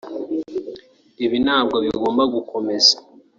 ibi ntabwo bigomba gukomeza